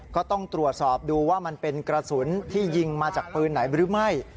ก็ต้องตรวจสอบดูว่ามันเป็นกระสุนที่ยิงมาจากปืนไหนหรือไม่